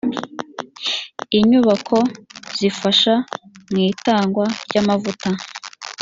inyubako zifasha mu itangwa ry amavuta